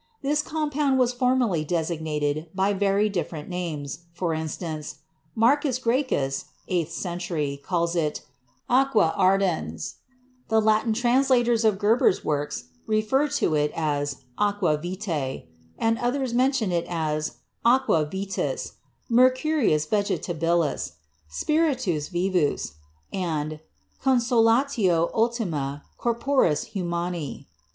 This compound was formerly designated by very different names; for instance, Marcus Graecus (eighth century) calls it "aqua ardens," the Latin translators of Geber's works refer to it as "aqua vitae," and others men tion it as "aqua vitis," "mercurius vegetabilis," "spiritus vivus" and "consolatio ultima corporus humani."